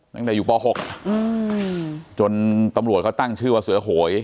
ตั้งแต่อยู่ป๖จนตำรวจเขาตั้งชื่อว่าเสือโหย